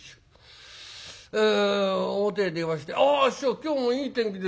表へ出まして「あ師匠今日もいい天気ですね。